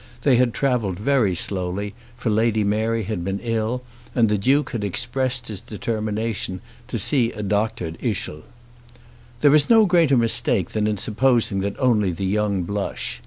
They had travelled very slowly, for Lady Mary had been ill, and the Duke had expressed his determination to see a doctor at Ischl. There is no greater mistake than in supposing that only the young blush.